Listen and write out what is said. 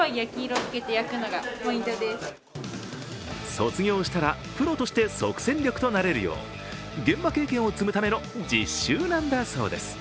卒業したらプロとして即戦力となれるよう現場経験を積むための実習なんだそうです。